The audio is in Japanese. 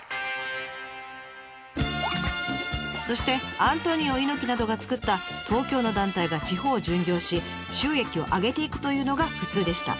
そしてアントニオ猪木などが作った東京の団体が地方を巡業し収益を上げていくというのが普通でした。